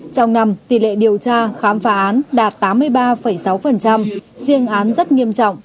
trong năm tỷ lệ điều tra khám phá án đạt tám mươi ba sáu riêng án rất nghiêm trọng